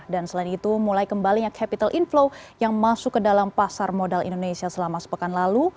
dan selain itu mulai kembalinya capital inflow yang masuk ke dalam pasar modal indonesia selama sepekan lalu